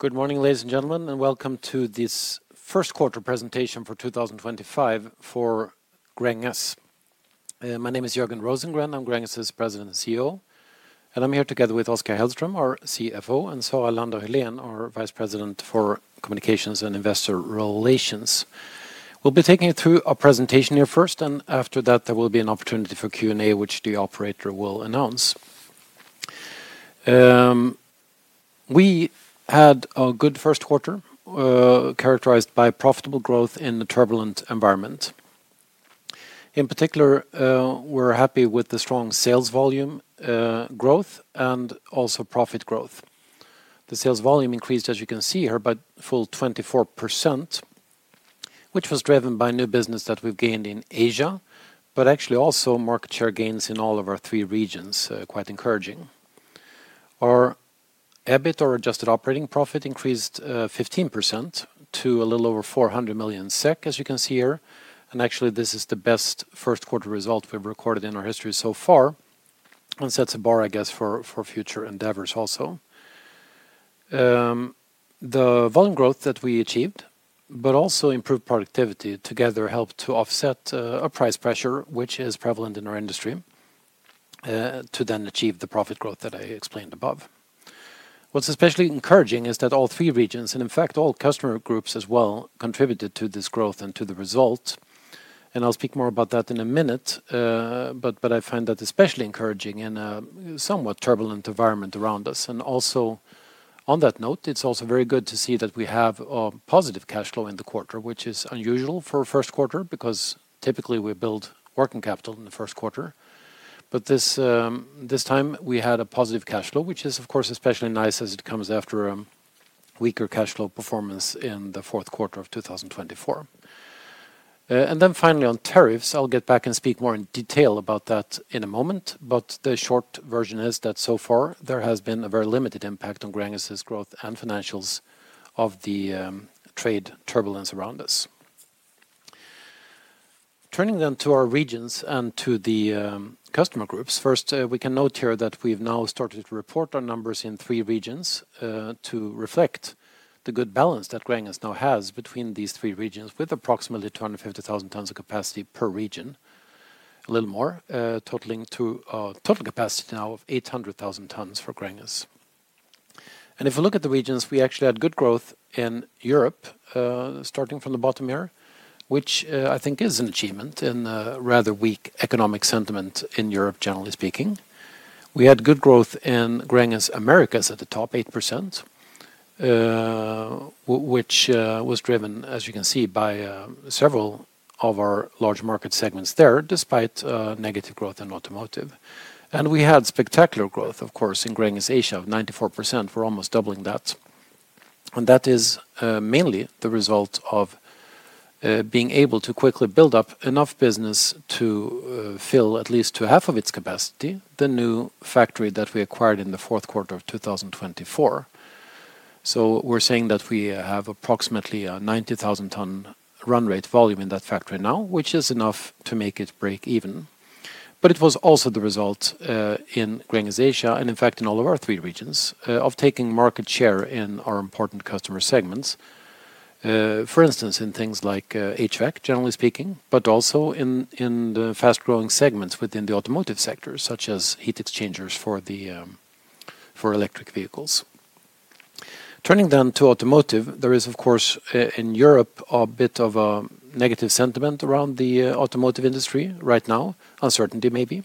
Good morning, ladies and gentlemen, and welcome to this first quarter presentation for 2025 for Gränges. My name is Jörgen Rosengren. I'm Gränges's President and CEO, and I'm here together with Oskar Hellström, our CFO, and Sara Lander Hyléen, our Vice President for Communications and Investor Relations. We'll be taking you through our presentation here first, and after that, there will be an opportunity for Q&A, which the operator will announce. We had a good first quarter characterized by profitable growth in the turbulent environment. In particular, we're happy with the strong sales volume growth and also profit growth. The sales volume increased, as you can see here, by a full 24%, which was driven by new business that we've gained in Asia, but actually also market share gains in all of our three regions, quite encouraging. Our EBIT, or adjusted operating profit, increased 15% to a little over 400 million SEK, as you can see here. Actually, this is the best first quarter result we've recorded in our history so far and sets a bar, I guess, for future endeavors also. The volume growth that we achieved, but also improved productivity together, helped to offset a price pressure, which is prevalent in our industry, to then achieve the profit growth that I explained above. What's especially encouraging is that all three regions, and in fact all customer groups as well, contributed to this growth and to the result. I'll speak more about that in a minute, but I find that especially encouraging in a somewhat turbulent environment around us. Also on that note, it's also very good to see that we have a positive cash flow in the quarter, which is unusual for a first quarter because typically we build working capital in the first quarter. This time we had a positive cash flow, which is, of course, especially nice as it comes after a weaker cash flow performance in the fourth quarter of 2024. Finally, on tariffs, I'll get back and speak more in detail about that in a moment, but the short version is that so far there has been a very limited impact on Gränges's growth and financials of the trade turbulence around us. Turning then to our regions and to the customer groups, first, we can note here that we've now started to report our numbers in three regions to reflect the good balance that Gränges now has between these three regions with approximately 250,000 tons of capacity per region, a little more, totaling to a total capacity now of 800,000 tons for Gränges. If we look at the regions, we actually had good growth in Europe, starting from the bottom here, which I think is an achievement in rather weak economic sentiment in Europe, generally speaking. We had good growth in Gränges Americas at the top 8%, which was driven, as you can see, by several of our large market segments there, despite negative growth in automotive. We had spectacular growth, of course, in Gränges Asia of 94%. We're almost doubling that. That is mainly the result of being able to quickly build up enough business to fill at least half of its capacity, the new factory that we acquired in the fourth quarter of 2024. We are saying that we have approximately a 90,000-ton run rate volume in that factory now, which is enough to make it break even. It was also the result in Gränges Asia, and in fact in all of our three regions, of taking market share in our important customer segments, for instance, in things like HVAC, generally speaking, but also in the fast-growing segments within the automotive sector, such as heat exchangers for electric vehicles. Turning then to automotive, there is, of course, in Europe, a bit of a negative sentiment around the automotive industry right now, uncertainty maybe.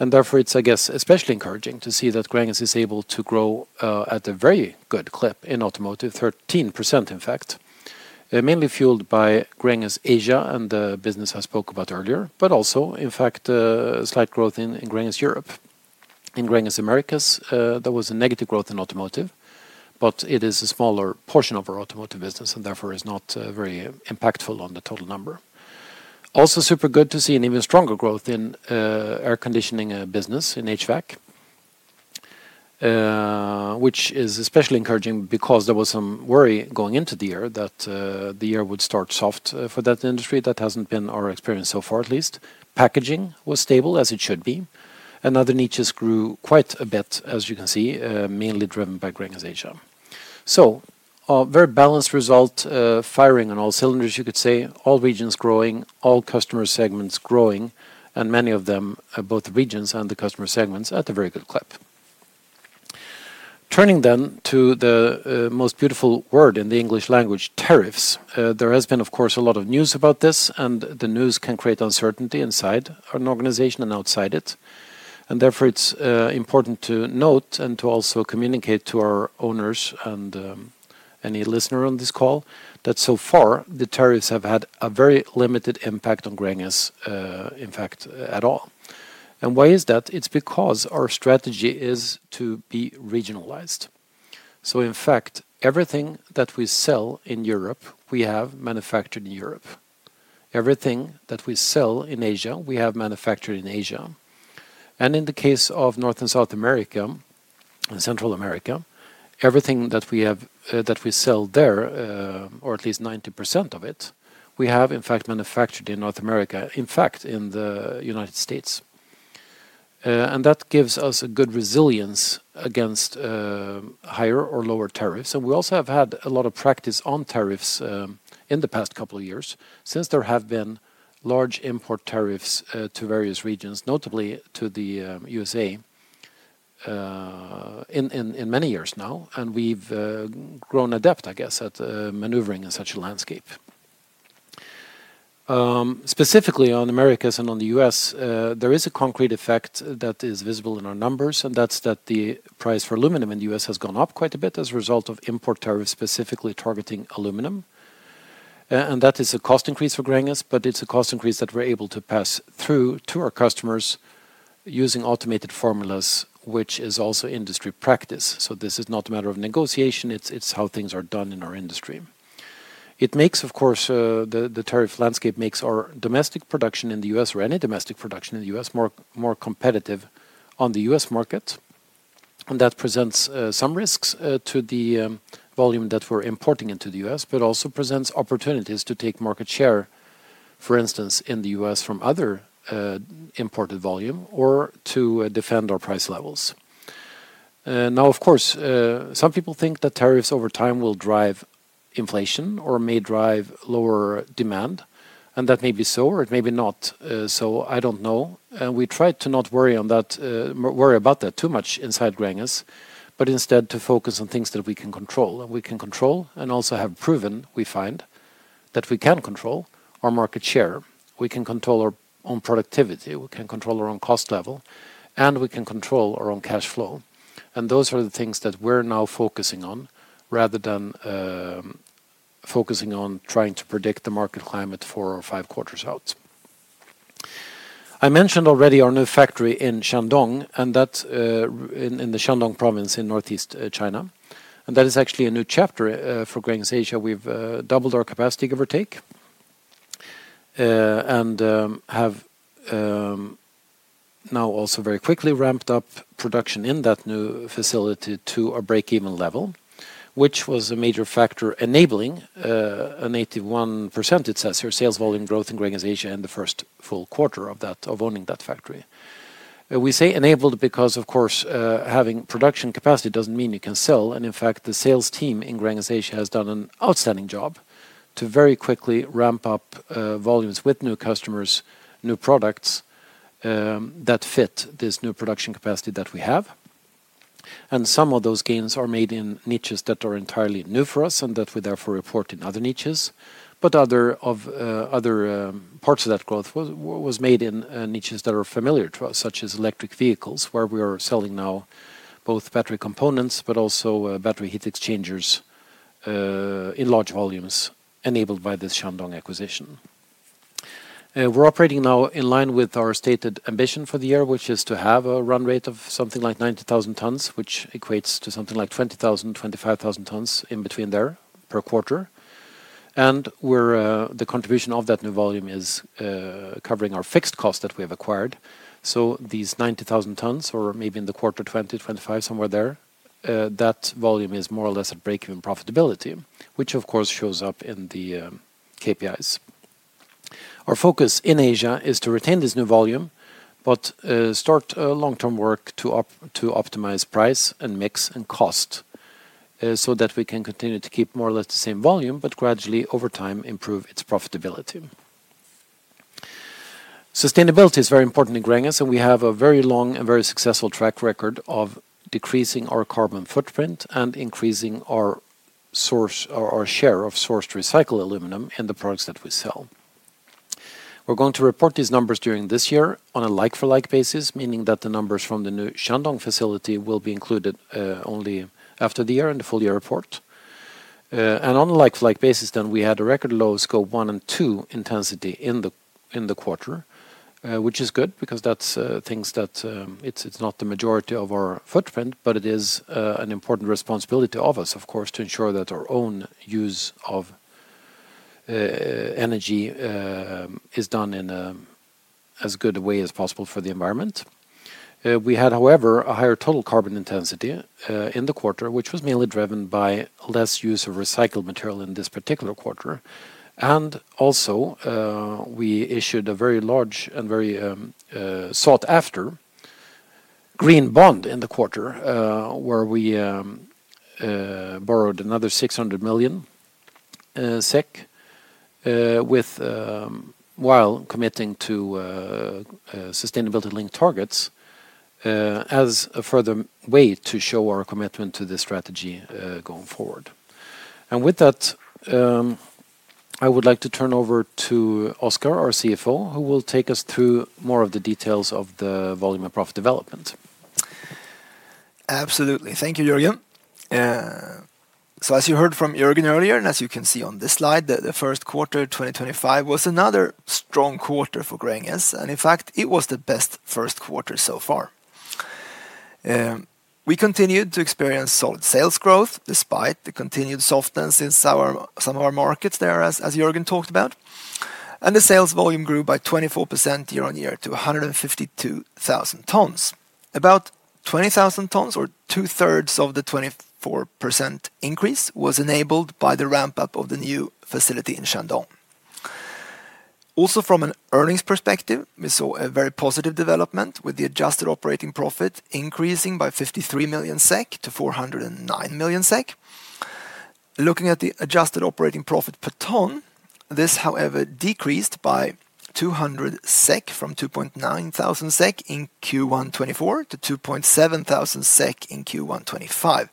Therefore, it's, I guess, especially encouraging to see that Gränges is able to grow at a very good clip in automotive, 13% in fact, mainly fueled by Gränges Asia and the business I spoke about earlier, but also, in fact, slight growth in Gränges Europe. In Gränges Americas, there was a negative growth in automotive, but it is a smaller portion of our automotive business and therefore is not very impactful on the total number. Also super good to see an even stronger growth in air conditioning business in HVAC, which is especially encouraging because there was some worry going into the year that the year would start soft for that industry. That hasn't been our experience so far, at least. Packaging was stable as it should be. Other niches grew quite a bit, as you can see, mainly driven by Gränges Asia. A very balanced result, firing on all cylinders, you could say, all regions growing, all customer segments growing, and many of them, both regions and the customer segments, at a very good clip. Turning then to the most beautiful word in the English language, tariffs. There has been, of course, a lot of news about this, and the news can create uncertainty inside an organization and outside it. Therefore, it is important to note and to also communicate to our owners and any listener on this call that so far the tariffs have had a very limited impact on Gränges, in fact, at all. Why is that? It is because our strategy is to be regionalized. In fact, everything that we sell in Europe, we have manufactured in Europe. Everything that we sell in Asia, we have manufactured in Asia. In the case of North and South America and Central America, everything that we sell there, or at least 90% of it, we have, in fact, manufactured in North America, in fact, in the United States. That gives us a good resilience against higher or lower tariffs. We also have had a lot of practice on tariffs in the past couple of years since there have been large import tariffs to various regions, notably to the U.S.A., in many years now. We have grown adept, I guess, at maneuvering in such a landscape. Specifically on Americas and on the U.S., there is a concrete effect that is visible in our numbers, and that is that the price for aluminum in the U.S. has gone up quite a bit as a result of import tariffs specifically targeting aluminum. That is a cost increase for Gränges, but it's a cost increase that we're able to pass through to our customers using automated formulas, which is also industry practice. This is not a matter of negotiation. It's how things are done in our industry. Of course, the tariff landscape makes our domestic production in the U.S. or any domestic production in the U.S. more competitive on the U.S. market. That presents some risks to the volume that we're importing into the U.S., but also presents opportunities to take market share, for instance, in the U.S. from other imported volume or to defend our price levels. Now, of course, some people think that tariffs over time will drive inflation or may drive lower demand, and that may be so or it may be not. I don't know. We try to not worry about that too much inside Gränges, but instead to focus on things that we can control. We can control and also have proven, we find, that we can control our market share. We can control our own productivity. We can control our own cost level, and we can control our own cash flow. Those are the things that we're now focusing on rather than focusing on trying to predict the market climate four or five quarters out. I mentioned already our new factory in Shandong, and that is in the Shandong Province in Northeast China. That is actually a new chapter for Gränges Asia. We've doubled our capacity, give or take, and have now also very quickly ramped up production in that new facility to a break-even level, which was a major factor enabling a 81% sales volume growth in Gränges Asia in the first full quarter of owning that factory. We say enabled because, of course, having production capacity doesn't mean you can sell. In fact, the sales team in Gränges Asia has done an outstanding job to very quickly ramp up volumes with new customers, new products that fit this new production capacity that we have. Some of those gains are made in niches that are entirely new for us and that we therefore report in other niches. Other parts of that growth were made in niches that are familiar to us, such as electric vehicles, where we are selling now both battery components, but also battery heat exchangers in large volumes enabled by this Shandong acquisition. We are operating now in line with our stated ambition for the year, which is to have a run rate of something like 90,000 tons, which equates to something like 20,000-25,000 tons in between there per quarter. The contribution of that new volume is covering our fixed cost that we have acquired. These 90,000 tons, or maybe in the quarter 20,000-25,000, somewhere there, that volume is more or less at break-even profitability, which of course shows up in the KPIs. Our focus in Asia is to retain this new volume, but start long-term work to optimize price and mix and cost so that we can continue to keep more or less the same volume, but gradually over time improve its profitability. Sustainability is very important in Gränges, and we have a very long and very successful track record of decreasing our carbon footprint and increasing our share of sourced recycled aluminum in the products that we sell. We're going to report these numbers during this year on a like-for-like basis, meaning that the numbers from the new Shandong facility will be included only after the year in the full year report. On a like-for-like basis, we had a record low Scope 1 and 2 intensity in the quarter, which is good because that is not the majority of our footprint, but it is an important responsibility of us, of course, to ensure that our own use of energy is done in as good a way as possible for the environment. We had, however, a higher total carbon intensity in the quarter, which was mainly driven by less use of recycled material in this particular quarter. We also issued a very large and very sought-after green bond in the quarter where we borrowed another SEK 600 million while committing to sustainability-linked targets as a further way to show our commitment to the strategy going forward. With that, I would like to turn over to Oskar, our CFO, who will take us through more of the details of the volume of profit development. Absolutely. Thank you, Jörgen. As you heard from Jörgen earlier, and as you can see on this slide, the first quarter 2025 was another strong quarter for Gränges. In fact, it was the best first quarter so far. We continued to experience solid sales growth despite the continued softness in some of our markets there, as Jörgen talked about. The sales volume grew by 24% year on year to 152,000 tons. About 20,000 tons, or 2/3 of the 24% increase, was enabled by the ramp-up of the new facility in Shandong. Also from an earnings perspective, we saw a very positive development with the adjusted operating profit increasing by 53 million-409 million SEK. Looking at the adjusted operating profit per ton, this, however, decreased by 200 SEK from 2.9 thousand SEK in Q1 2024 to 2.7 thousand SEK in Q1 2025.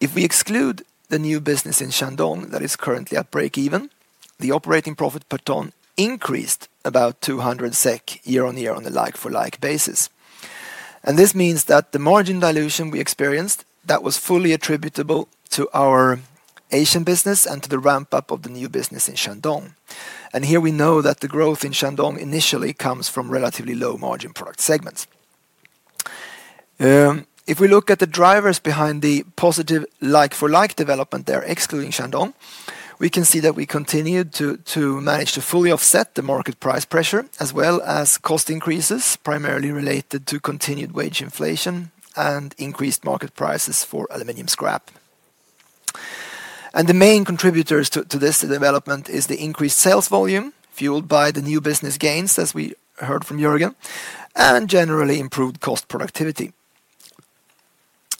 If we exclude the new business in Shandong that is currently at break-even, the operating profit per ton increased about 200 SEK year on year on a like-for-like basis. This means that the margin dilution we experienced was fully attributable to our Asian business and to the ramp-up of the new business in Shandong. Here we know that the growth in Shandong initially comes from relatively low-margin product segments. If we look at the drivers behind the positive like-for-like development there, excluding Shandong, we can see that we continued to manage to fully offset the market price pressure, as well as cost increases primarily related to continued wage inflation and increased market prices for aluminum scrap. The main contributors to this development are the increased sales volume fueled by the new business gains, as we heard from Jörgen, and generally improved cost productivity.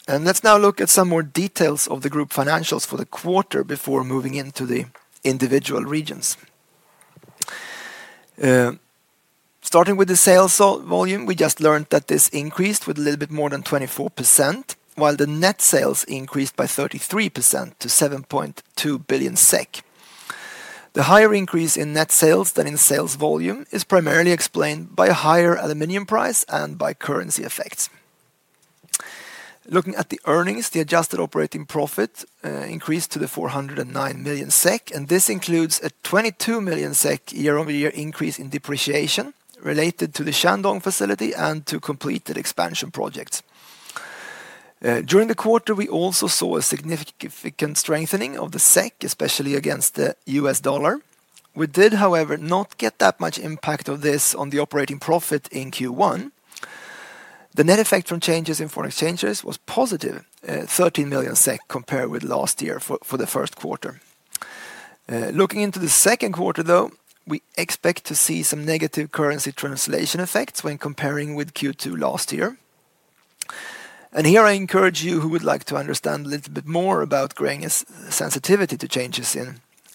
Let's now look at some more details of the group financials for the quarter before moving into the individual regions. Starting with the sales volume, we just learned that this increased with a little bit more than 24%, while the net sales increased by 33% to 7.2 billion SEK. The higher increase in net sales than in sales volume is primarily explained by a higher aluminum price and by currency effects. Looking at the earnings, the adjusted operating profit increased to 409 million SEK, and this includes a 22 million SEK year-over-year increase in depreciation related to the Shandong facility and to completed expansion projects. During the quarter, we also saw a significant strengthening of the SEK, especially against the U.S. dollar. We did, however, not get that much impact of this on the operating profit in Q1. The net effect from changes in foreign exchanges was positive, 13 million SEK compared with last year for the first quarter. Looking into the second quarter, though, we expect to see some negative currency translation effects when comparing with Q2 last year. I encourage you who would like to understand a little bit more about Gränges' sensitivity to changes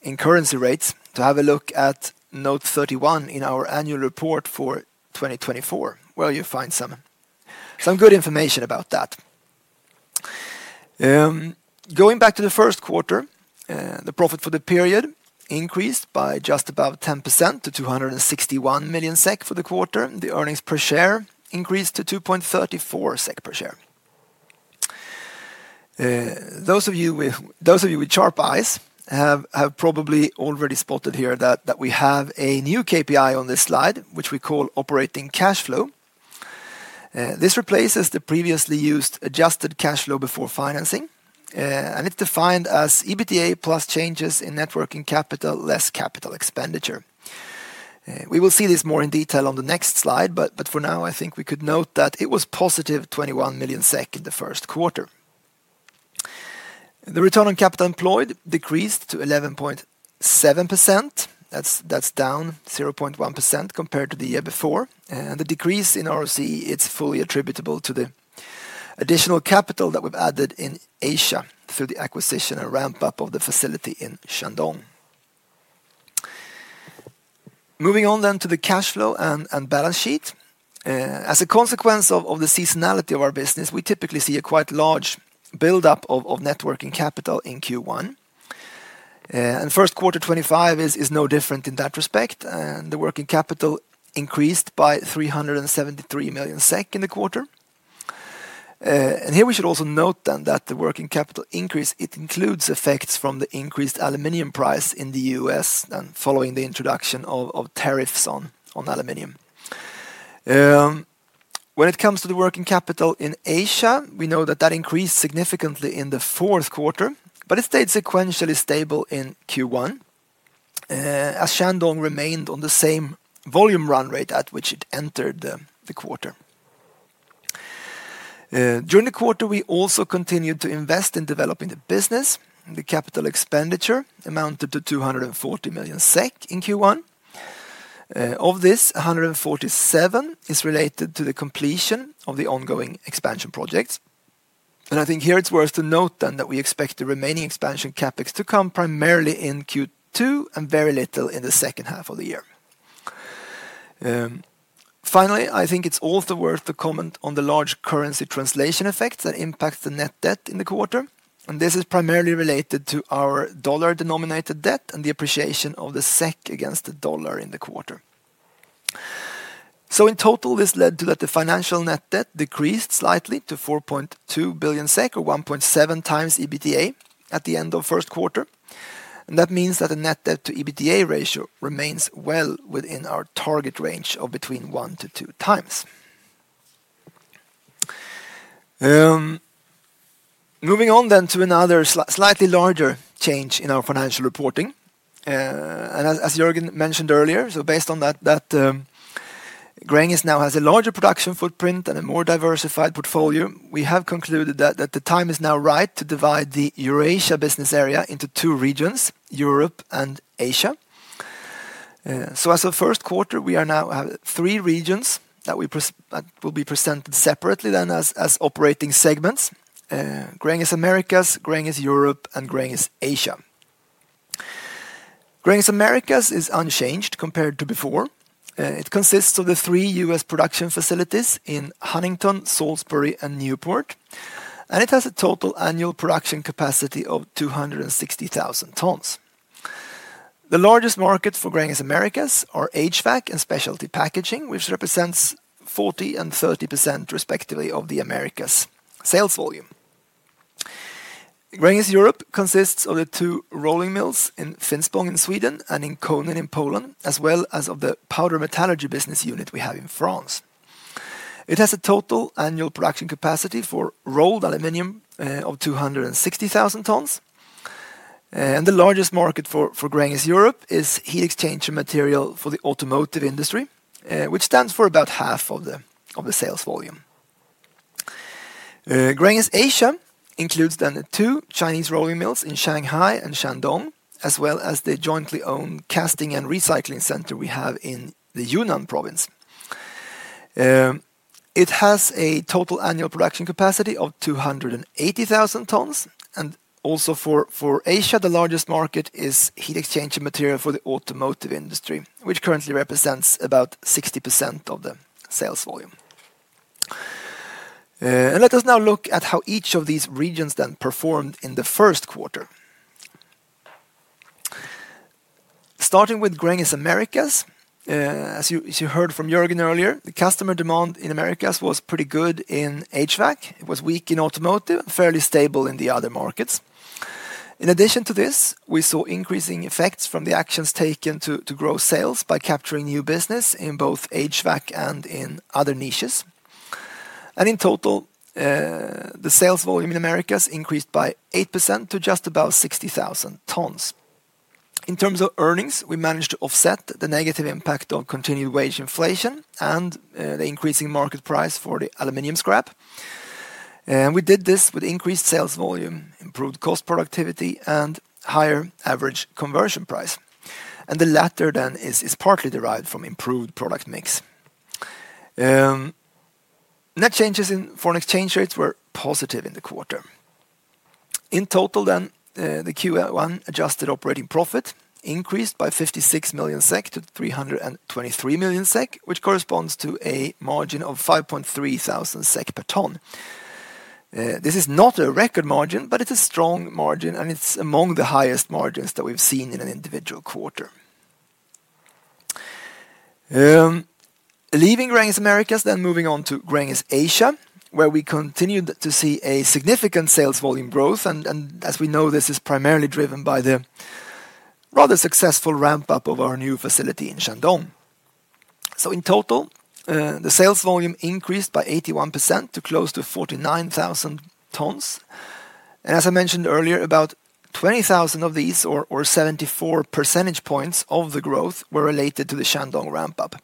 in currency rates to have a look at note 31 in our annual report for 2024, where you find some good information about that. Going back to the first quarter, the profit for the period increased by just about 10% to 261 million SEK for the quarter. The earnings per share increased to 2.34 SEK per share. Those of you with sharp eyes have probably already spotted here that we have a new KPI on this slide, which we call operating cash flow. This replaces the previously used adjusted cash flow before financing, and it's defined as EBITDA plus changes in net working capital, less capital expenditure. We will see this more in detail on the next slide, but for now, I think we could note that it was positive 21 million SEK in the first quarter. The return on capital employed decreased to 11.7%. That's down 0.1% compared to the year before. The decrease in ROCE is fully attributable to the additional capital that we've added in Asia through the acquisition and ramp-up of the facility in Shandong. Moving on to the cash flow and balance sheet. As a consequence of the seasonality of our business, we typically see a quite large build-up of net working capital in Q1. First quarter 2025 is no different in that respect. The working capital increased by 373 million SEK in the quarter. Here we should also note then that the working capital increase includes effects from the increased aluminum price in the U.S. and following the introduction of tariffs on aluminum. When it comes to the working capital in Asia, we know that that increased significantly in the fourth quarter, but it stayed sequentially stable in Q1, as Shandong remained on the same volume run rate at which it entered the quarter. During the quarter, we also continued to invest in developing the business. The capital expenditure amounted to 240 million SEK in Q1. Of this, 147 million is related to the completion of the ongoing expansion projects. I think here it is worth to note then that we expect the remaining expansion CapEx to come primarily in Q2 and very little in the second half of the year. Finally, I think it's also worth to comment on the large currency translation effects that impact the net debt in the quarter. This is primarily related to our dollar-denominated debt and the appreciation of the SEK against the dollar in the quarter. In total, this led to that the financial net debt decreased slightly to 4.2 billion SEK, or 1.7x EBITDA at the end of first quarter. That means that the net debt to EBITDA ratio remains well within our target range of between 1x-2x. Moving on then to another slightly larger change in our financial reporting. As Jörgen mentioned earlier, based on that, Gränges now has a larger production footprint and a more diversified portfolio. We have concluded that the time is now right to divide the Eurasia business area into two regions, Europe and Asia. As of first quarter, we now have three regions that will be presented separately then as operating segments: Gränges Americas, Gränges Europe, and Gränges Asia. Gränges Americas is unchanged compared to before. It consists of the three U.S. production facilities in Huntington, Salisbury, and Newport. It has a total annual production capacity of 260,000 tons. The largest markets for Gränges Americas are HVAC and specialty packaging, which represents 40% and 30% respectively of the Americas sales volume. Gränges Europe consists of the two rolling mills in Finspång in Sweden and in Konin in Poland, as well as the powder metallurgy business unit we have in France. It has a total annual production capacity for rolled aluminum of 260,000 tons. The largest market for Gränges Europe is heat exchanger material for the automotive industry, which stands for about half of the sales volume. Gränges Asia includes then the two Chinese rolling mills in Shanghai and Shandong, as well as the jointly owned casting and recycling center we have in the Yunnan Province. It has a total annual production capacity of 280,000 tons. Also for Asia, the largest market is heat exchanger material for the automotive industry, which currently represents about 60% of the sales volume. Let us now look at how each of these regions then performed in the first quarter. Starting with Gränges Americas, as you heard from Jörgen earlier, the customer demand in Americas was pretty good in HVAC. It was weak in automotive and fairly stable in the other markets. In addition to this, we saw increasing effects from the actions taken to grow sales by capturing new business in both HVAC and in other niches. In total, the sales volume in Americas increased by 8% to just about 60,000 tons. In terms of earnings, we managed to offset the negative impact of continued wage inflation and the increasing market price for the aluminum scrap. We did this with increased sales volume, improved cost productivity, and higher average conversion price. The latter then is partly derived from improved product mix. Net changes in foreign exchange rates were positive in the quarter. In total, the Q1 adjusted operating profit increased by 56 million-323 million SEK, which corresponds to a margin of 5,300 SEK per ton. This is not a record margin, but it's a strong margin and it's among the highest margins that we've seen in an individual quarter. Leaving Gränges Americas, moving on to Gränges Asia, where we continued to see a significant sales volume growth. As we know, this is primarily driven by the rather successful ramp-up of our new facility in Shandong. In total, the sales volume increased by 81% to close to 49,000 tons. As I mentioned earlier, about 20,000 of these, or 74 percentage points of the growth, were related to the Shandong ramp-up.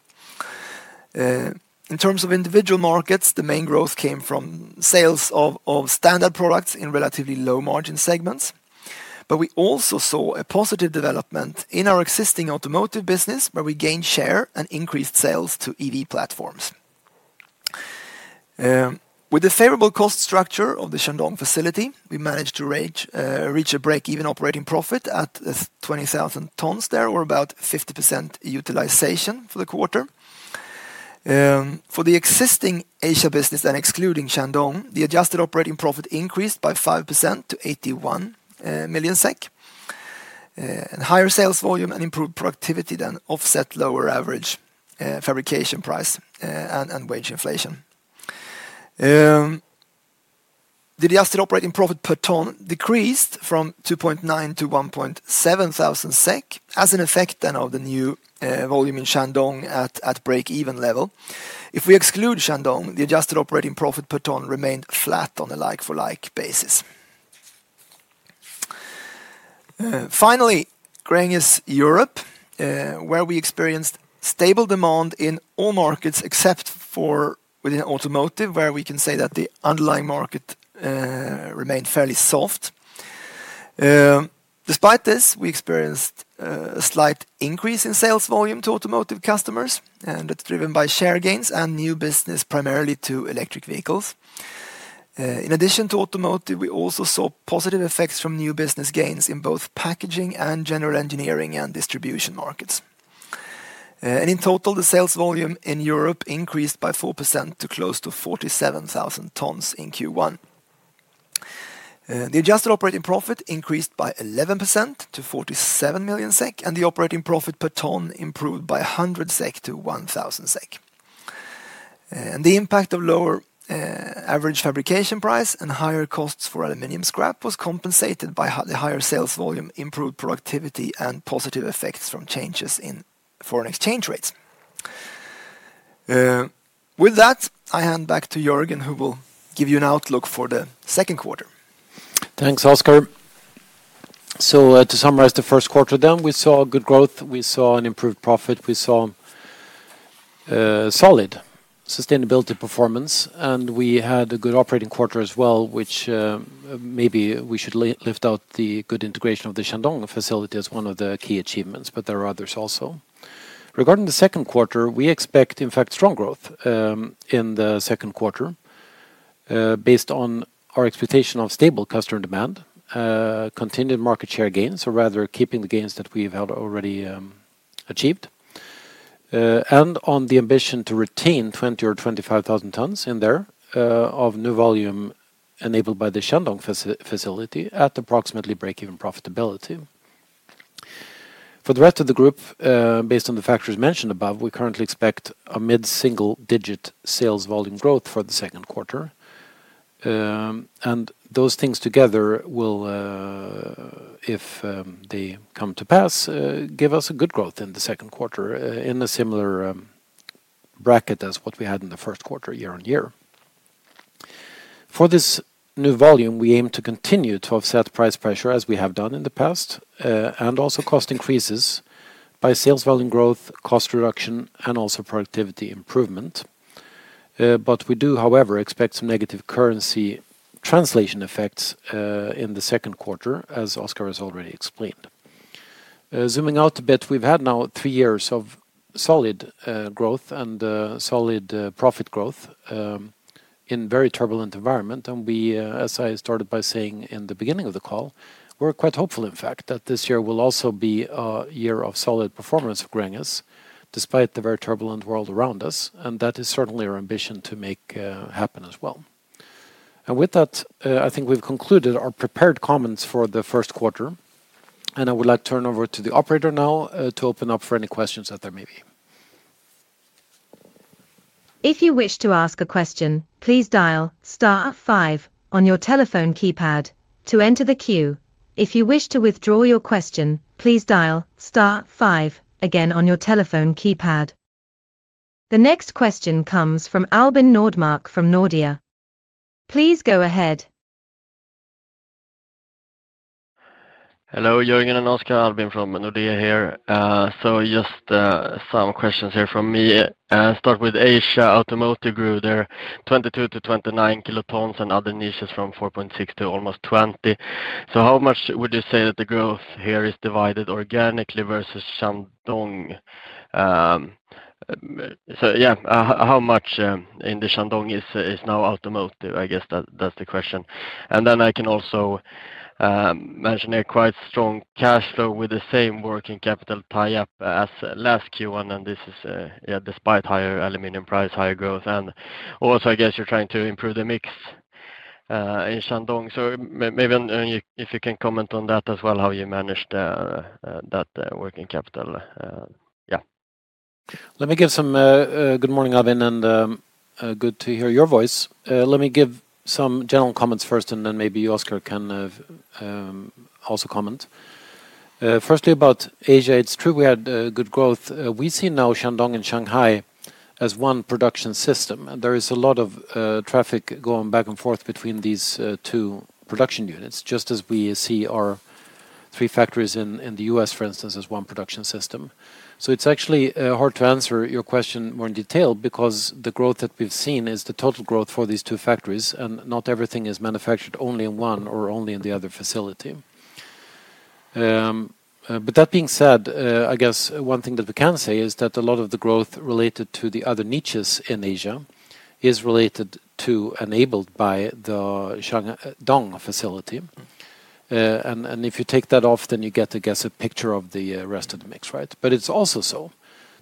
In terms of individual markets, the main growth came from sales of standard products in relatively low margin segments. We also saw a positive development in our existing automotive business, where we gained share and increased sales to EV platforms. With the favorable cost structure of the Shandong facility, we managed to reach a break-even operating profit at 20,000 tons there, or about 50% utilization for the quarter. For the existing Asia business, excluding Shandong, the adjusted operating profit increased by 5% to 81 million SEK. Higher sales volume and improved productivity then offset lower average fabrication price and wage inflation. The adjusted operating profit per ton decreased from 2,900 to 1,700 SEK, as an effect then of the new volume in Shandong at break-even level. If we exclude Shandong, the adjusted operating profit per ton remained flat on a like-for-like basis. Finally, Gränges Europe, where we experienced stable demand in all markets except for within automotive, where we can say that the underlying market remained fairly soft. Despite this, we experienced a slight increase in sales volume to automotive customers, and that's driven by share gains and new business primarily to electric vehicles. In addition to automotive, we also saw positive effects from new business gains in both packaging and general engineering and distribution markets. In total, the sales volume in Europe increased by 4% to close to 47,000 tons in Q1. The adjusted operating profit increased by 11% to 47 million SEK, and the operating profit per ton improved by 100-1,000 SEK. The impact of lower average fabrication price and higher costs for aluminum scrap was compensated by the higher sales volume, improved productivity, and positive effects from changes in foreign exchange rates. With that, I hand back to Jörgen, who will give you an outlook for the second quarter. Thanks, Oskar. To summarize the first quarter then, we saw good growth, we saw an improved profit, we saw solid sustainability performance, and we had a good operating quarter as well, which maybe we should lift out the good integration of the Shandong facility as one of the key achievements, but there are others also. Regarding the second quarter, we expect, in fact, strong growth in the second quarter based on our expectation of stable customer demand, continued market share gains, or rather keeping the gains that we have already achieved, and on the ambition to retain 20,000 or 25,000 tons in there of new volume enabled by the Shandong facility at approximately break-even profitability. For the rest of the group, based on the factors mentioned above, we currently expect a mid-single digit sales volume growth for the second quarter. Those things together will, if they come to pass, give us a good growth in the second quarter in a similar bracket as what we had in the first quarter year on year. For this new volume, we aim to continue to offset price pressure as we have done in the past, and also cost increases by sales volume growth, cost reduction, and also productivity improvement. We do, however, expect some negative currency translation effects in the second quarter, as Oskar has already explained. Zooming out a bit, we've had now three years of solid growth and solid profit growth in a very turbulent environment. As I started by saying in the beginning of the call, we're quite hopeful, in fact, that this year will also be a year of solid performance for Gränges, despite the very turbulent world around us. That is certainly our ambition to make happen as well. With that, I think we've concluded our prepared comments for the first quarter. I would like to turn over to the operator now to open up for any questions that there may be. If you wish to ask a question, please dial star five on your telephone keypad to enter the queue. If you wish to withdraw your question, please dial star five again on your telephone keypad. The next question comes from Albin Nordmark from Nordea. Please go ahead. Hello, Jörgen and Oskar, Albin from Nordea here. Just some questions here from me. Start with Asia automotive group there, 22-29 kilotons and other niches from 4.6 to almost 20. How much would you say that the growth here is divided organically versus Shandong? How much in the Shandong is now automotive? I guess that is the question. I can also mention a quite strong cash flow with the same working capital tie-up as last Q1. This is despite higher aluminum price, higher growth. I guess you're trying to improve the mix in Shandong. Maybe if you can comment on that as well, how you managed that working capital. Yeah. Let me give some good morning, Albin, and good to hear your voice. Let me give some general comments first, and then maybe you, Oskar, can also comment. Firstly, about Asia, it's true we had good growth. We see now Shandong and Shanghai as one production system. There is a lot of traffic going back and forth between these two production units, just as we see our three factories in the U.S., for instance, as one production system. It's actually hard to answer your question more in detail because the growth that we've seen is the total growth for these two factories, and not everything is manufactured only in one or only in the other facility. That being said, I guess one thing that we can say is that a lot of the growth related to the other niches in Asia is related to, enabled by, the Shandong facility. If you take that off, then you get, I guess, a picture of the rest of the mix, right? It's also so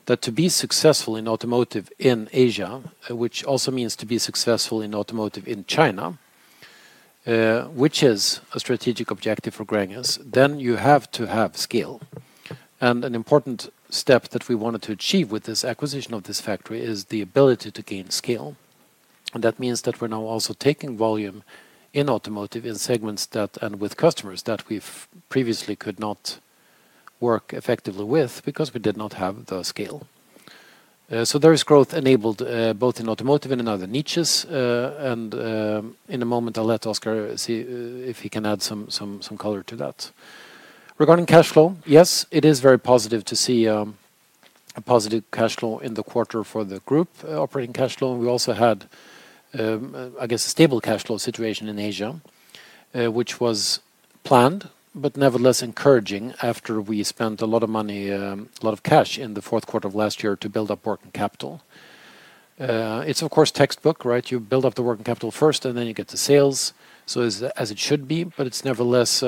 that to be successful in automotive in Asia, which also means to be successful in automotive in China, which is a strategic objective for Gränges, you have to have scale. An important step that we wanted to achieve with this acquisition of this factory is the ability to gain scale. That means that we're now also taking volume in automotive in segments that and with customers that we previously could not work effectively with because we did not have the scale. There is growth enabled both in automotive and in other niches. In a moment, I'll let Oskar see if he can add some color to that. Regarding cash flow, yes, it is very positive to see a positive cash flow in the quarter for the group operating cash flow. We also had, I guess, a stable cash flow situation in Asia, which was planned, but nevertheless encouraging after we spent a lot of money, a lot of cash in the fourth quarter of last year to build up working capital. It's, of course, textbook, right? You build up the working capital first, and then you get the sales, so as it should be. It is nevertheless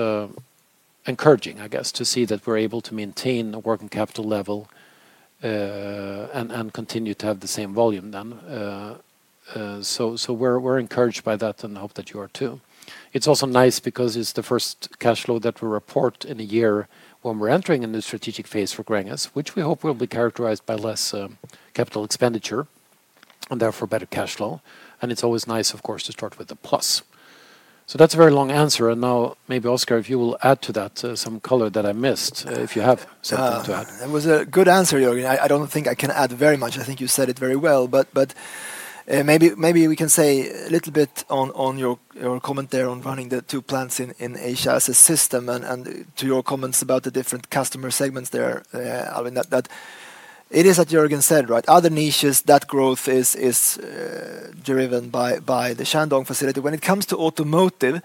encouraging, I guess, to see that we are able to maintain a working capital level and continue to have the same volume then. We are encouraged by that and hope that you are too. It is also nice because it is the first cash flow that we report in a year when we are entering a new strategic phase for Gränges, which we hope will be characterized by less capital expenditure and therefore better cash flow. It is always nice, of course, to start with a plus. That is a very long answer. Now maybe, Oskar, if you will add to that some color that I missed, if you have something to add. That was a good answer, Jörgen. I do not think I can add very much. I think you said it very well. Maybe we can say a little bit on your comment there on running the two plants in Asia as a system and to your comments about the different customer segments there. It is, as Jörgen said, right? Other niches, that growth is driven by the Shandong facility. When it comes to automotive,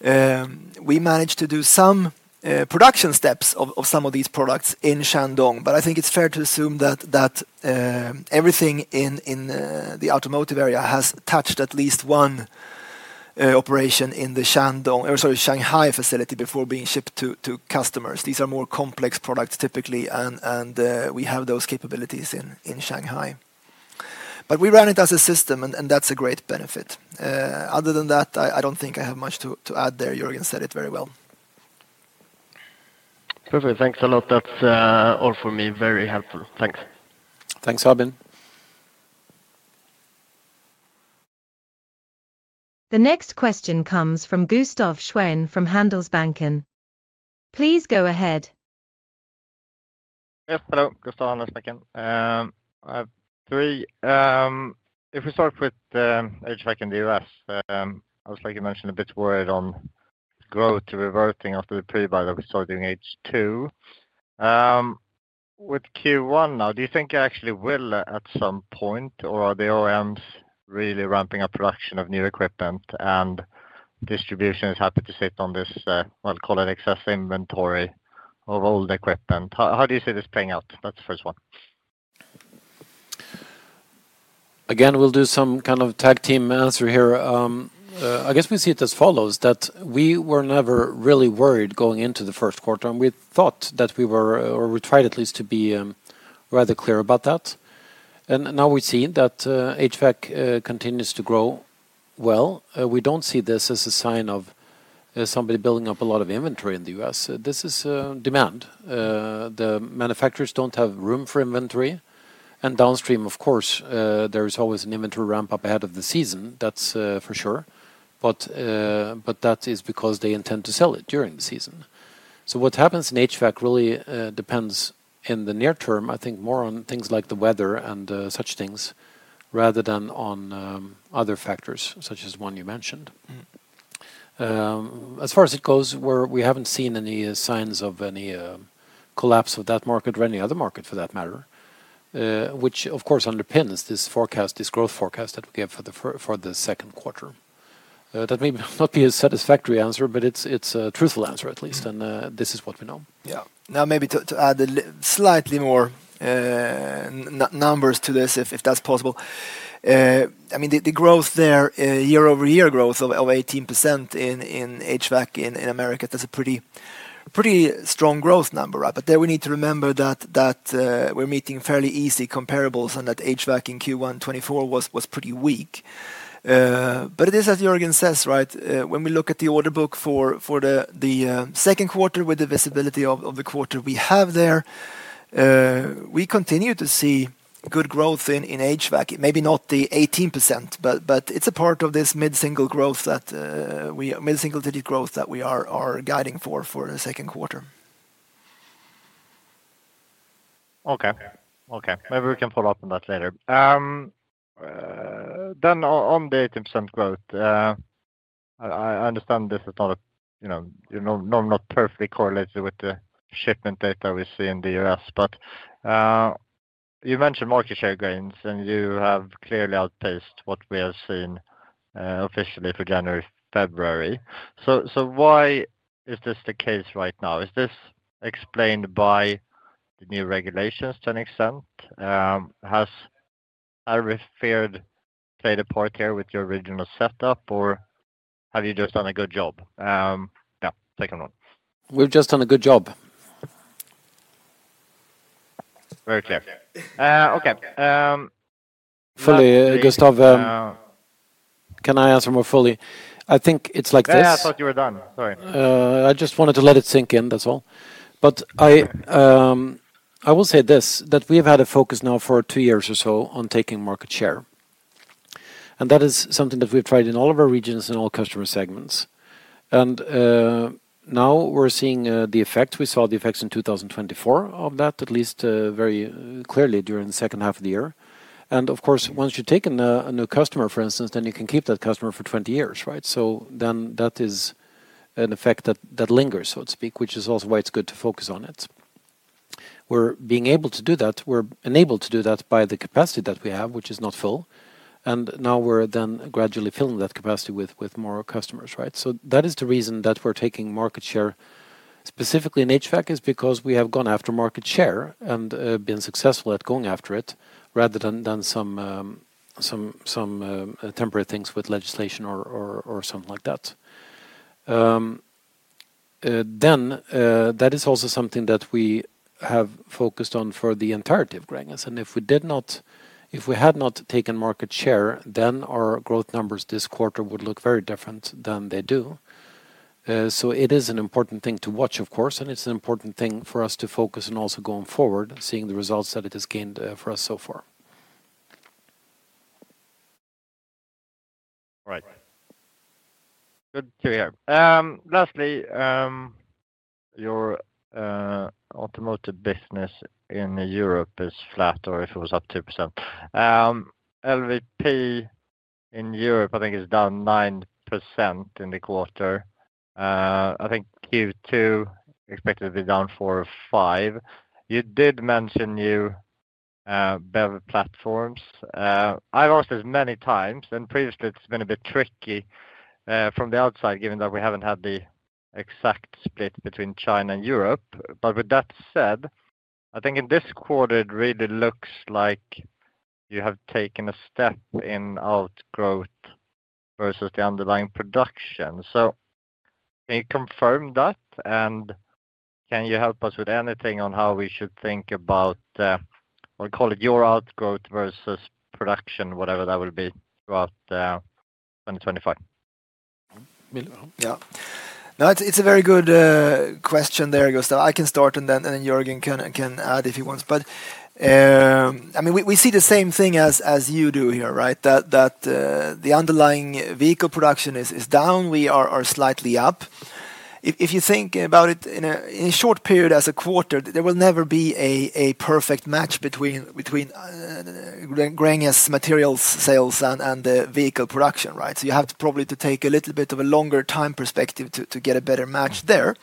we managed to do some production steps of some of these products in Shandong. I think it is fair to assume that everything in the automotive area has touched at least one operation in the Shandong, sorry, Shanghai facility before being shipped to customers. These are more complex products typically, and we have those capabilities in Shanghai. We ran it as a system, and that is a great benefit. Other than that, I do not think I have much to add there. Jörgen said it very well. Perfect. Thanks a lot. That is all for me. Very helpful. Thanks. Thanks, Albin. The next question comes from Gustaf Schwerin from Handelsbanken. Please go ahead. Hello, Gustav Handelsbanken. If we start with HVAC back in the U.S., I was likely to mention a bit word on growth to reverting after the prebuy that we started doing HVAC too. With Q1 now, do you think it actually will at some point, or are the OEMs really ramping up production of new equipment and distribution is happy to sit on this, well, call it excess inventory of old equipment? How do you see this playing out? That's the first one. Again, we'll do some kind of tag team answer here. I guess we see it as follows: that we were never really worried going into the first quarter, and we thought that we were, or we tried at least to be rather clear about that. We have seen that HVAC continues to grow well. We do not see this as a sign of somebody building up a lot of inventory in the U.S. This is demand. The manufacturers do not have room for inventory. Downstream, of course, there is always an inventory ramp up ahead of the season. That is for sure. That is because they intend to sell it during the season. What happens in HVAC really depends in the near term, I think, more on things like the weather and such things rather than on other factors such as the one you mentioned. As far as it goes, we have not seen any signs of any collapse of that market or any other market for that matter, which, of course, underpins this forecast, this growth forecast that we gave for the second quarter. That may not be a satisfactory answer, but it's a truthful answer at least. This is what we know. Yeah. Now, maybe to add slightly more numbers to this, if that's possible. I mean, the growth there, year-over-year growth of 18% in HVAC in America, that's a pretty strong growth number. There we need to remember that we're meeting fairly easy comparables and that HVAC in Q1 2024 was pretty weak. It is, as Jörgen says, right? When we look at the order book for the second quarter with the visibility of the quarter we have there, we continue to see good growth in HVAC. Maybe not the 18%, but it's a part of this mid-single growth that we are guiding for the second quarter. Okay. Okay. Maybe we can follow up on that later. On the 18% growth, I understand this is not perfectly correlated with the shipment data we see in the U.S., but you mentioned market share gains, and you have clearly outpaced what we have seen officially for January-February. Why is this the case right now? Is this explained by the new regulations to an extent? Has every factor played a part here with your original setup, or have you just done a good job? Yeah. Take it on. We have just done a good job. Very clear. Okay. Fully, Gustav, can I answer more fully? I think it is like this. I thought you were done. Sorry. I just wanted to let it sink in. That is all. I will say this, that we have had a focus now for two years or so on taking market share. That is something that we've tried in all of our regions and all customer segments. Now we're seeing the effect. We saw the effects in 2024 of that, at least very clearly during the second half of the year. Of course, once you take a new customer, for instance, then you can keep that customer for 20 years, right? That is an effect that lingers, so to speak, which is also why it's good to focus on it. We're being able to do that. We're enabled to do that by the capacity that we have, which is not full. Now we're then gradually filling that capacity with more customers, right? That is the reason that we're taking market share specifically in HVAC is because we have gone after market share and been successful at going after it rather than some temporary things with legislation or something like that. That is also something that we have focused on for the entirety of Gränges. If we had not taken market share, then our growth numbers this quarter would look very different than they do. It is an important thing to watch, of course, and it's an important thing for us to focus on also going forward, seeing the results that it has gained for us so far. All right. Good to hear. Lastly, your automotive business in Europe is flat or if it was up 2%. LVP in Europe, I think, is down 9% in the quarter. I think Q2 expected to be down 4%-5%. You did mention new platforms. I've asked this many times, and previously it's been a bit tricky from the outside, given that we haven't had the exact split between China and Europe. With that said, I think in this quarter, it really looks like you have taken a step in outgrowth versus the underlying production. Can you confirm that? Can you help us with anything on how we should think about, I'll call it your outgrowth versus production, whatever that will be throughout 2025? Yeah. No, it's a very good question there, Gustav. I can start, and then Jörgen can add if he wants. I mean, we see the same thing as you do here, right? The underlying vehicle production is down. We are slightly up. If you think about it in a short period as a quarter, there will never be a perfect match between Gränges materials sales and vehicle production, right? You have probably to take a little bit of a longer time perspective to get a better match there.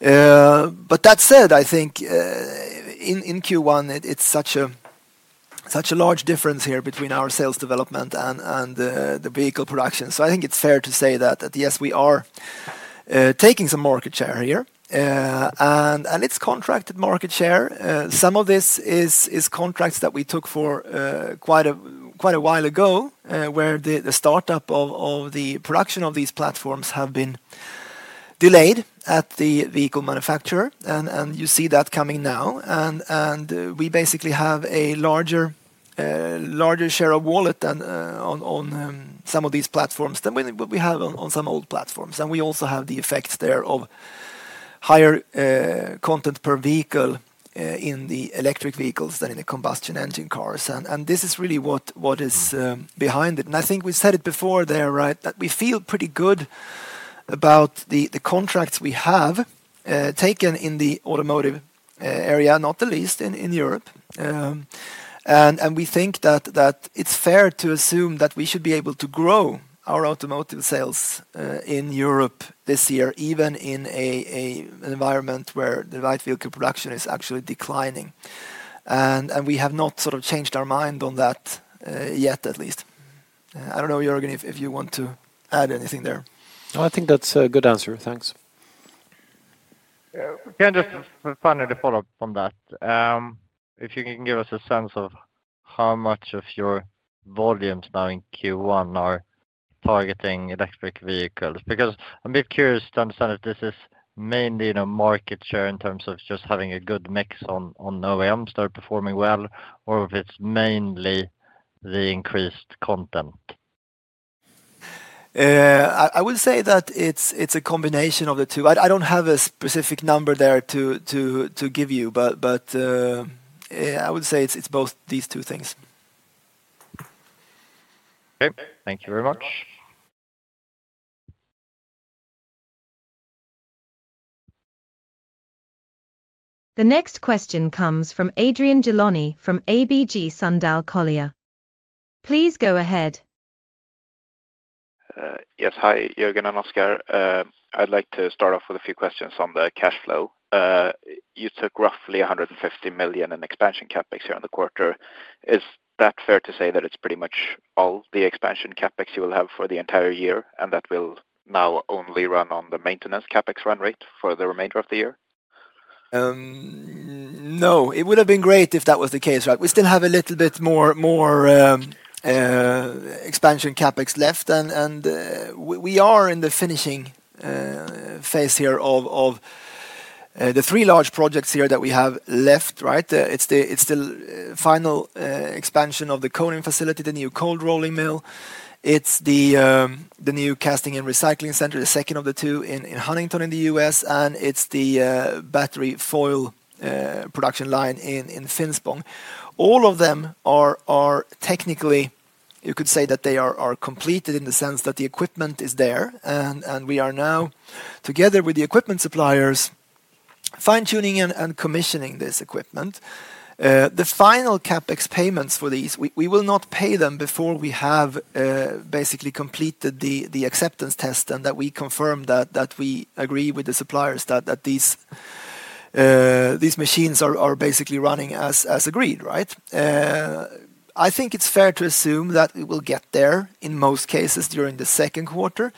That said, I think in Q1, it's such a large difference here between our sales development and the vehicle production. I think it's fair to say that, yes, we are taking some market share here. It's contracted market share. Some of this is contracts that we took for quite a while ago where the startup of the production of these platforms have been delayed at the vehicle manufacturer. You see that coming now. We basically have a larger share of wallet on some of these platforms than we have on some old platforms. We also have the effect there of higher content per vehicle in the electric vehicles than in the combustion engine cars. This is really what is behind it. I think we said it before there, right, that we feel pretty good about the contracts we have taken in the automotive area, not the least in Europe. We think that it's fair to assume that we should be able to grow our automotive sales in Europe this year, even in an environment where the light vehicle production is actually declining. We have not sort of changed our mind on that yet, at least. I don't know, Jörgen, if you want to add anything there. No, I think that's a good answer. Thanks. Yeah. Just finally to follow up on that, if you can give us a sense of how much of your volumes now in Q1 are targeting electric vehicles. Because I'm a bit curious to understand if this is mainly in a market share in terms of just having a good mix on OEMs that are performing well, or if it's mainly the increased content. I would say that it's a combination of the two. I don't have a specific number there to give you, but I would say it's both these two things. Okay. Thank you very much. The next question comes from Adrian Gilani from ABG Sundal Collier. Please go ahead. Yes. Hi, Jörgen and Oskar. I'd like to start off with a few questions on the cash flow. You took roughly 150 million in expansion CapEx here in the quarter. Is that fair to say that it's pretty much all the expansion CapEx you will have for the entire year, and that will now only run on the maintenance CapEx run rate for the remainder of the year? No. It would have been great if that was the case, right? We still have a little bit more expansion CapEx left, and we are in the finishing phase here of the three large projects here that we have left, right? It's the final expansion of the Konin facility, the new cold rolling mill. It's the new casting and recycling center, the second of the two in Huntington in the U.S. And it's the battery foil production line in Finspång. All of them are technically, you could say that they are completed in the sense that the equipment is there. We are now, together with the equipment suppliers, fine-tuning and commissioning this equipment. The final CapEx payments for these, we will not pay them before we have basically completed the acceptance test and that we confirm that we agree with the suppliers that these machines are basically running as agreed, right? I think it's fair to assume that we will get there in most cases during the second quarter.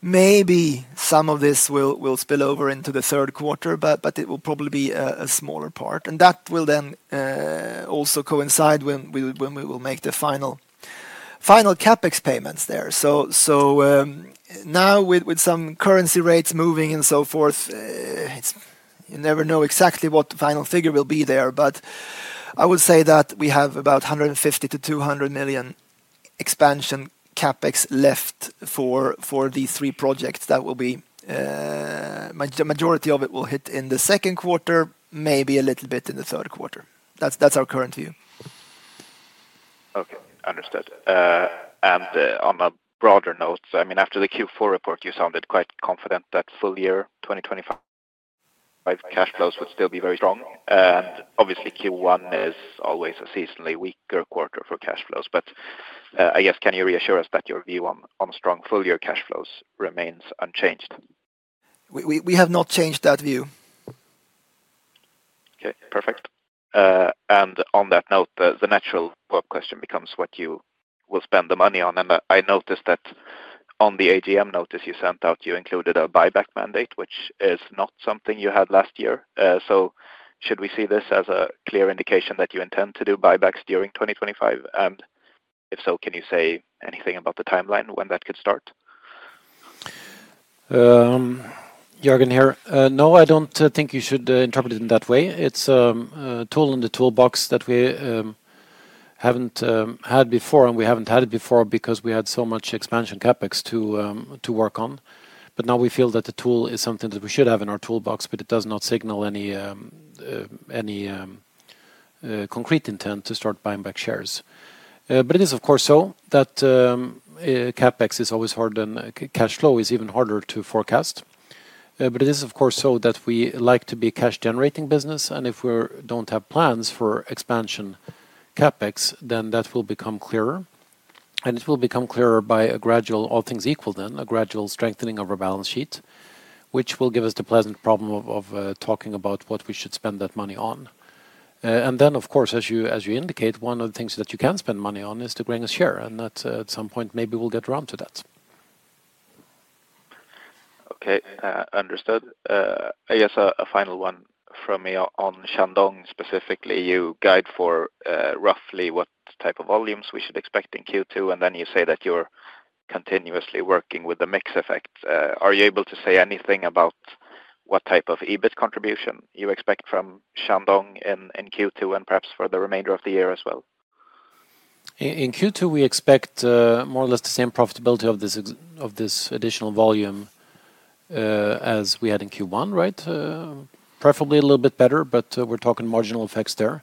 Maybe some of this will spill over into the third quarter, but it will probably be a smaller part. That will then also coincide when we will make the final CapEx payments there. Now with some currency rates moving and so forth, you never know exactly what the final figure will be there. I would say that we have about 150 million-200 million expansion CapEx left for these three projects that will be, the majority of it will hit in the second quarter, maybe a little bit in the third quarter. That is our current view. Okay. Understood. I mean, after the Q4 report, you sounded quite confident that full year 2025 cash flows would still be very strong. Obviously, Q1 is always a seasonally weaker quarter for cash flows. I guess, can you reassure us that your view on strong full year cash flows remains unchanged? We have not changed that view. Okay. Perfect. On that note, the natural question becomes what you will spend the money on. I noticed that on the AGM notice you sent out, you included a buyback mandate, which is not something you had last year. Should we see this as a clear indication that you intend to do buybacks during 2025? If so, can you say anything about the timeline when that could start? Jörgen here. No, I do not think you should interpret it in that way. It is a tool in the toolbox that we have not had before, and we have not had it before because we had so much expansion CapEx to work on. Now we feel that the tool is something that we should have in our toolbox, but it does not signal any concrete intent to start buying back shares. It is, of course, so that CapEx is always hard and cash flow is even harder to forecast. It is, of course, so that we like to be a cash-generating business. If we do not have plans for expansion CapEx, then that will become clearer. It will become clearer by a gradual, all things equal then, a gradual strengthening of our balance sheet, which will give us the pleasant problem of talking about what we should spend that money on. Of course, as you indicate, one of the things that you can spend money on is to bring us share. At some point, maybe we'll get around to that. Okay. Understood. I guess a final one from me on Shandong specifically. You guide for roughly what type of volumes we should expect in Q2, and then you say that you're continuously working with the mix effect. Are you able to say anything about what type of EBIT contribution you expect from Shandong in Q2 and perhaps for the remainder of the year as well? In Q2, we expect more or less the same profitability of this additional volume as we had in Q1, right? Preferably a little bit better, but we're talking marginal effects there.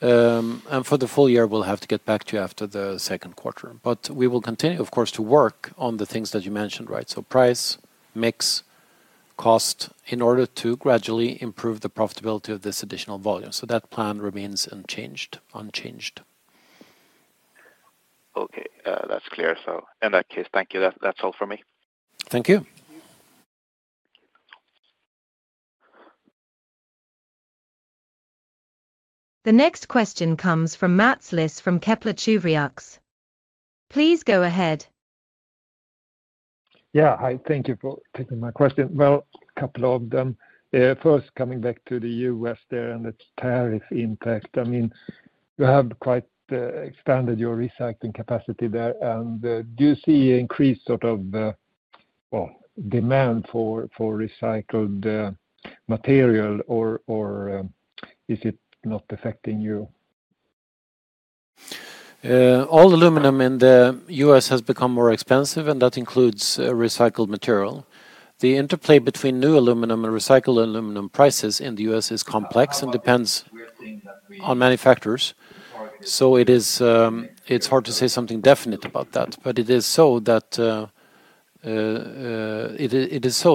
For the full year, we'll have to get back to you after the second quarter. We will continue, of course, to work on the things that you mentioned, right? Price, mix, cost in order to gradually improve the profitability of this additional volume. That plan remains unchanged. Okay. That's clear. In that case, thank you. That's all for me. Thank you. The next question comes from Mats Liss from Kepler Cheuvreux. Please go ahead. Yeah. Hi. Thank you for taking my question. A couple of them. First, coming back to the U.S. there and the tariff impact. I mean, you have quite expanded your recycling capacity there. Do you see an increased sort of demand for recycled material, or is it not affecting you? All aluminum in the U.S. has become more expensive, and that includes recycled material. The interplay between new aluminum and recycled aluminum prices in the U.S. is complex and depends on manufacturers. It's hard to say something definite about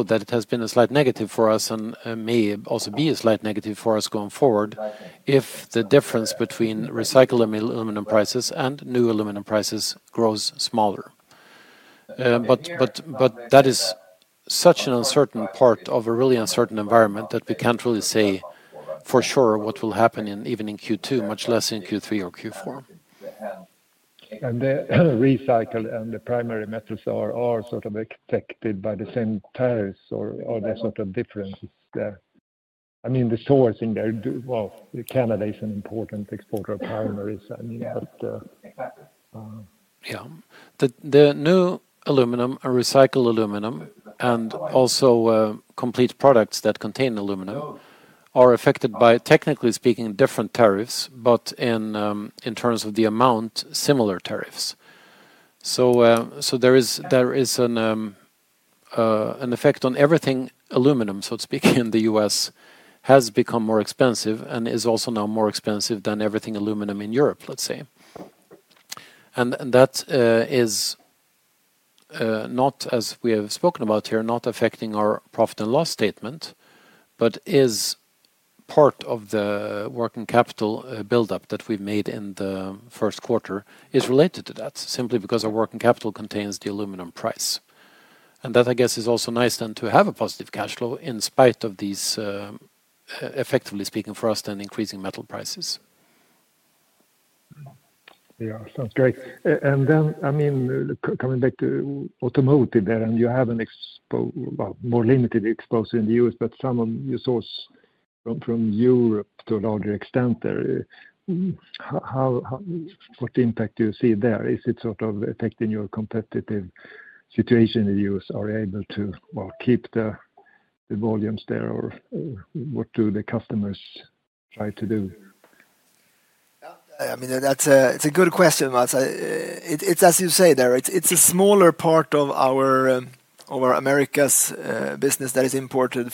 that. It has been a slight negative for us and may also be a slight negative for us going forward if the difference between recycled aluminum prices and new aluminum prices grows smaller. That is such an uncertain part of a really uncertain environment that we can't really say for sure what will happen even in Q2, much less in Q3 or Q4. The recycled and the primary metals are sort of affected by the same tariffs or the sort of differences there? I mean, the sourcing there, Canada is an important exporter of primaries, I mean, but. The new aluminum and recycled aluminum and also complete products that contain aluminum are affected by, technically speaking, different tariffs, but in terms of the amount, similar tariffs. There is an effect on everything aluminum, so to speak, in the U.S. has become more expensive and is also now more expensive than everything aluminum in Europe, let's say. That is not, as we have spoken about here, not affecting our profit and loss statement, but is part of the working capital buildup that we've made in the first quarter is related to that simply because our working capital contains the aluminum price. That, I guess, is also nice then to have a positive cash flow in spite of these, effectively speaking for us, then increasing metal prices. Yeah. Sounds great. I mean, coming back to automotive there, and you have a more limited exposure in the U.S., but some of your source from Europe to a larger extent there. What impact do you see there? Is it sort of affecting your competitive situation in the U.S.? Are you able to keep the volumes there, or what do the customers try to do? I mean, it's a good question. It's as you say there. It's a smaller part of our Americas business that is imported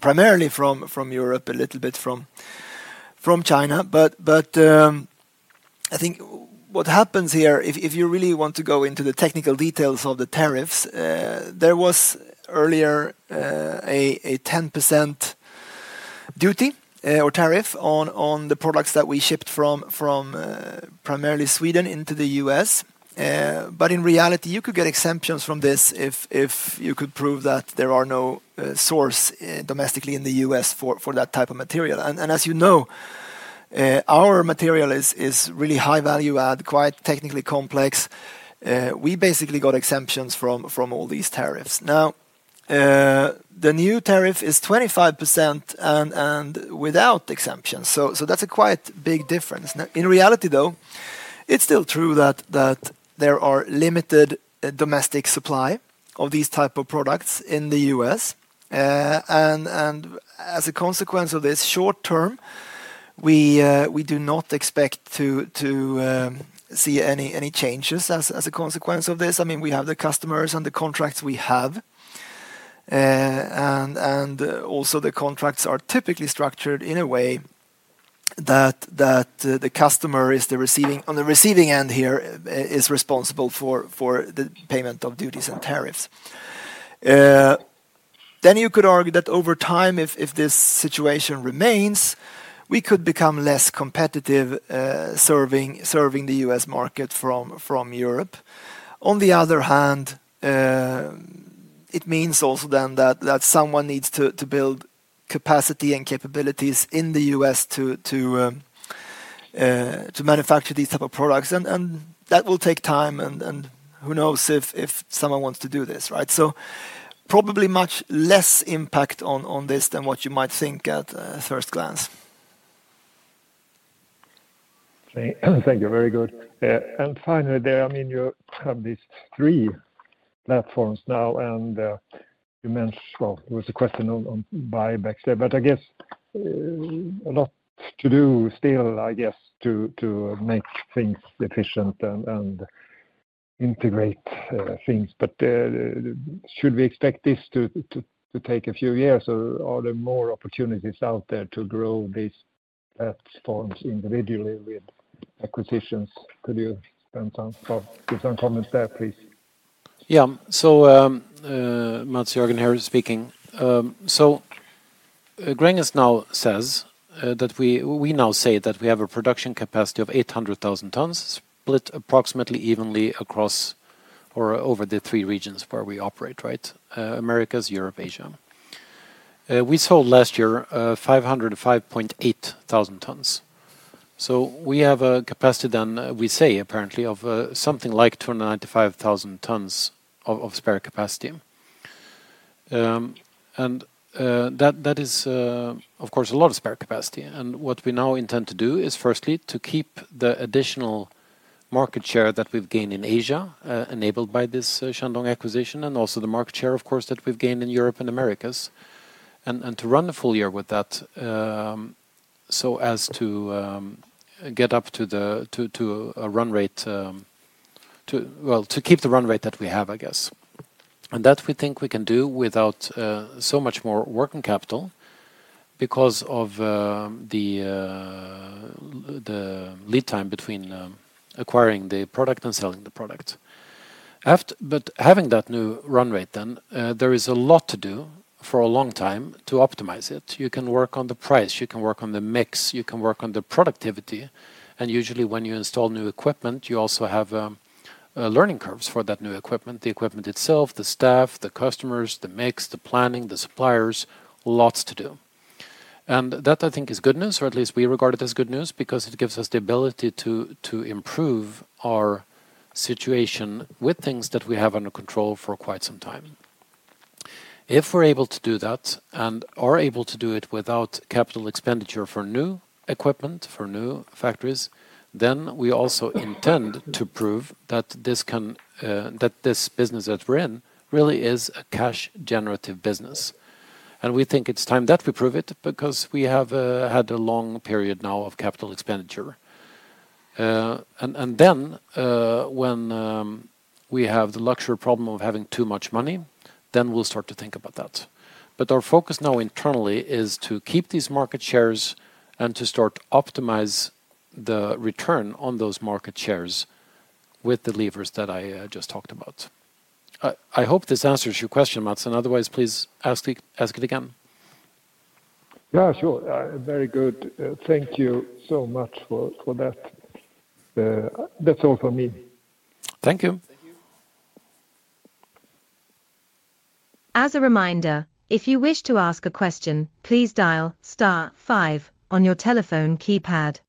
primarily from Europe, a little bit from China. I think what happens here, if you really want to go into the technical details of the tariffs, there was earlier a 10% duty or tariff on the products that we shipped from primarily Sweden into the U.S. In reality, you could get exemptions from this if you could prove that there are no source domestically in the U.S. for that type of material. And as you know, our material is really high value add, quite technically complex. We basically got exemptions from all these tariffs. Now, the new tariff is 25% and without exemptions. That's a quite big difference. In reality, though, it's still true that there are limited domestic supply of these type of products in the U.S. As a consequence of this, short term, we do not expect to see any changes as a consequence of this. I mean, we have the customers and the contracts we have. Also, the contracts are typically structured in a way that the customer is, on the receiving end here, responsible for the payment of duties and tariffs. You could argue that over time, if this situation remains, we could become less competitive serving the U.S. market from Europe. On the other hand, it means also that someone needs to build capacity and capabilities in the U.S. to manufacture these type of products. That will take time, and who knows if someone wants to do this, right? Probably much less impact on this than what you might think at first glance. Thank you. Very good. Finally there, I mean, you have these three platforms now, and you mentioned, well, there was a question on buybacks there, but I guess a lot to do still, I guess, to make things efficient and integrate things. Should we expect this to take a few years, or are there more opportunities out there to grow these platforms individually with acquisitions? Could you give some comments there, please? Yeah. Mats, Jörgen here speaking. Gränges now says that we now say that we have a production capacity of 800,000 tons split approximately evenly across or over the three regions where we operate, right? Americas, Europe, Asia. We sold last year 505,800 tons. We have a capacity then, we say apparently, of something like 295,000 tons of spare capacity. That is, of course, a lot of spare capacity. What we now intend to do is firstly to keep the additional market share that we've gained in Asia enabled by this Shandong acquisition and also the market share, of course, that we've gained in Europe and Americas and to run the full year with that so as to get up to a run rate, to keep the run rate that we have, I guess. We think we can do that without so much more working capital because of the lead time between acquiring the product and selling the product. Having that new run rate then, there is a lot to do for a long time to optimize it. You can work on the price, you can work on the mix, you can work on the productivity. Usually when you install new equipment, you also have learning curves for that new equipment, the equipment itself, the staff, the customers, the mix, the planning, the suppliers, lots to do. That, I think, is good news, or at least we regard it as good news because it gives us the ability to improve our situation with things that we have under control for quite some time. If we're able to do that and are able to do it without capital expenditure for new equipment, for new factories, we also intend to prove that this business that we're in really is a cash-generative business. We think it's time that we prove it because we have had a long period now of capital expenditure. When we have the luxury problem of having too much money, we'll start to think about that. Our focus now internally is to keep these market shares and to start optimizing the return on those market shares with the levers that I just talked about. I hope this answers your question, Mats. Otherwise, please ask it again. Yeah, sure. Very good. Thank you so much for that. That's all from me. Thank you. As a reminder, if you wish to ask a question, please dial star five on your telephone keypad.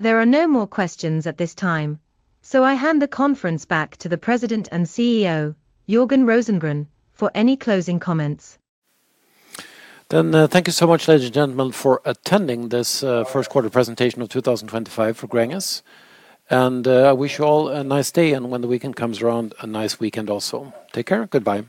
There are no more questions at this time, so I hand the conference back to the President and CEO, Jörgen Rosengren, for any closing comments. Thank you so much, ladies and gentlemen, for attending this first quarter presentation of 2025 for Gränges. I wish you all a nice day, and when the weekend comes around, a nice weekend also. Take care. Goodbye.